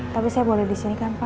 tapi saya boleh disini kan pak